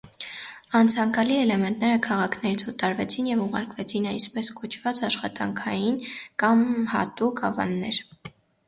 Անցանկալի «էլեմենտները» քաղաքներից վտարվեցին և ուղարկվեցին այսպես կոչված աշխատանքային կամհատուկ ավաններ։